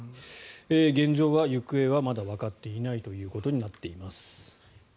現状は行方はまだわかっていないということになっています。